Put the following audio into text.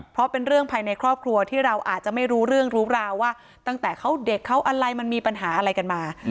เพราะเป็นเรื่องภายในครอบครัวที่เราอาจจะไม่รู้เรื่องรู้ราวว่าตั้งแต่เขาเด็กเขาอะไรมันมีปัญหาอะไรกันมา